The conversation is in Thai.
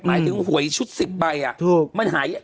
หมายถึงหวยชุด๑๐ใบน่ะ